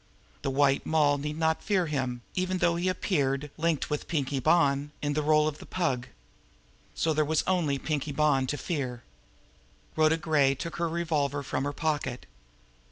The White Moll need not fear him, even though he appeared, linked with Pinkie Bonn, in the role of the Pug! So there was only Pinkie Bonn to fear. Rhoda Gray took her revolver from her pocket.